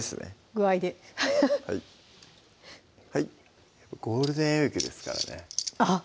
具合でゴールデンウイークですからねあっ